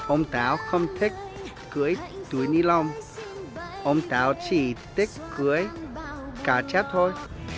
ông táo không thích cưới túi nilon ông táo chỉ thích cưới cá chép thôi